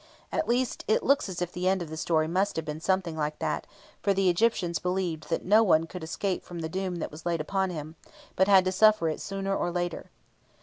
At least, it looks as if the end of the story must have been something like that; for the Egyptians believed that no one could escape from the doom that was laid upon him, but had to suffer it sooner or later.